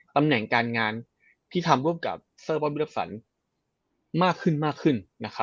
ตำแหน่งการงานที่ทำร่วมกับเซอร์บอบวิทยาศาลมากขึ้น